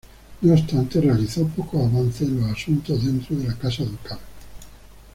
No obstante, realizó pocos avances en los asuntos dentro de la casa ducal.